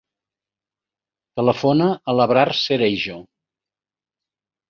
Telefona a l'Abrar Cereijo.